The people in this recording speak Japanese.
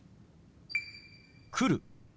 「来る」。